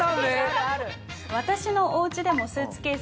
私のお家でもスーツケース